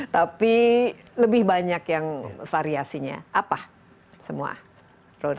tapi lebih banyak yang variasinya apa semua produk